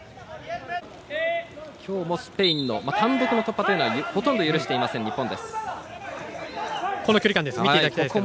きょうもスペインの単独の突破というのはほとんど許していません、日本。